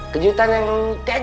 kejutan yang kejian dimaksud lo